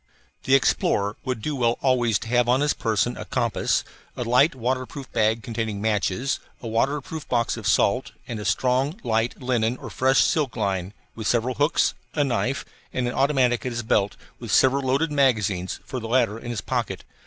The explorer would do well always to have on his person a compass, a light waterproof bag containing matches, a waterproof box of salt, and a strong, light, linen or silk fish line with several hooks, a knife, and an automatic at his belt, with several loaded magazines for the latter in his pocket.